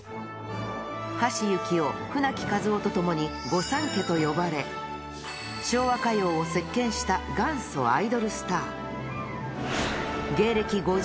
橋幸夫、舟木一夫とともに御三家と呼ばれ、昭和歌謡を席けんした元祖アイドルスター。